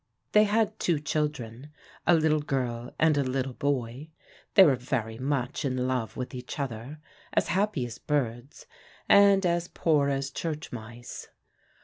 They had two children, a little girl and a little boy; they were very much in love with each other, as happy as birds, and as poor as church mice.